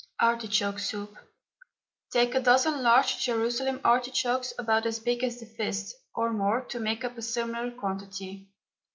ARTICHOKE SOUP. Take a dozen large Jerusalem artichokes about as big as the fist, or more to make up a similar quantity.